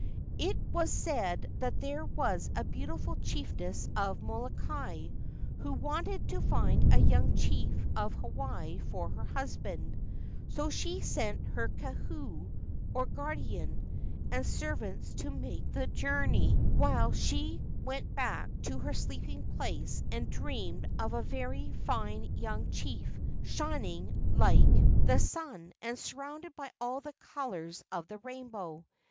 It was said that there was a beautiful chiefess of Molokai who wanted to find a young chief of Hawaii for her husband, so she sent her kahu, or guardian, and servants to make the journey while she went back to her sleeping place and dreamed of a very fine young chief shining like KE AU NINI 221 the sun and surrounded by all the colors of the rainbow.